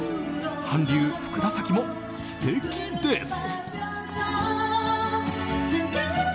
韓流・福田沙紀も素敵です！